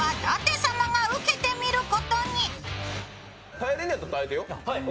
耐えれるんやったら耐えてよ。